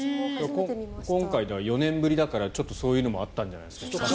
今回、４年ぶりだからちょっとそういうのもあったんじゃないですか。